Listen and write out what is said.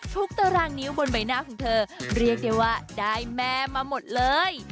ตารางนิ้วบนใบหน้าของเธอเรียกได้ว่าได้แม่มาหมดเลย